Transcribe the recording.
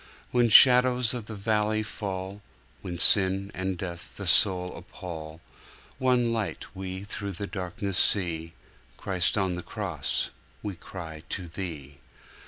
When shadows of the valley fall, When sin and death the soul appall, One light we through the darkness see— Christ on the Cross, We cry to Thee!